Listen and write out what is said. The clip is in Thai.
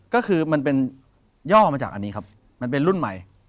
ก็คือมันเป็นย่อมาจากอันนี้ครับมันเป็นรุ่นใหม่